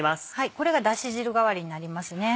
これがだし汁代わりになります。